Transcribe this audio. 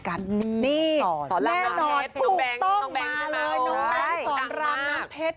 ครั้งแรก